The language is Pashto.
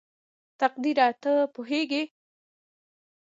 تقديره ته پوهېږې??